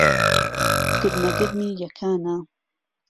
گرمهگرمی یهکانه